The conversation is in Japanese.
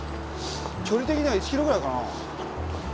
距離的には１キロぐらいかな。